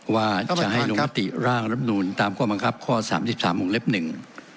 ว่าจะให้ลงมติร่างรับนูลตามข้อบังคับข้อสามสิบสามวงเล็บหนึ่ง